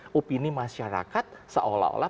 karena opini masyarakat seolah olah